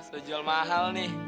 soal jual mahal nih